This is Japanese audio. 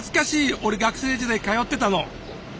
俺学生時代通ってたの。